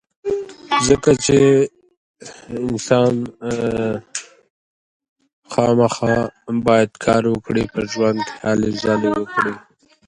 د غیرت چغې لیکلو وخت کې حالات سخت وو.